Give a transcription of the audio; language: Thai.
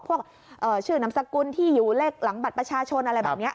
พวกชื่อนามสกุลที่อยู่เลขหลังบัตรประชาชนอะไรแบบนี้